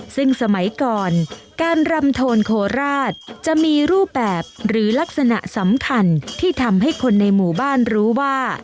ซึ่งสมัยก่อนการรำโทนโคราชจะมีรูปแบบหรือลักษณะสำคัญที่ทำให้คนในหมู่บ้านรู้ว่า